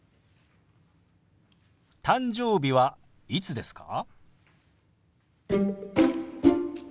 「誕生日はいつですか？」。